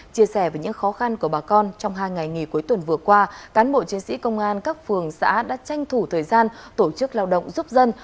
chia sẻ về những khó khăn của bà con trong hai ngày nghỉ cuối tuần vừa qua cán bộ chiến sĩ công an các phường xã đã tranh thủ thời gian tổ chức lao động giúp dân